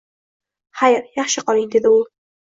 — Xayr, yaxshi qoling, — dedi u.